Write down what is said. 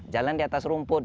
jalan di atas rumput